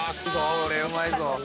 これはうまいぞ。